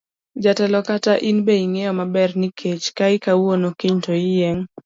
Jatelo kata in be ing'eyo maber ni kech kayi kawuono kiny to iyieng'.